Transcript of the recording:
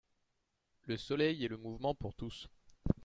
Le soleil et le mouvement pour tous.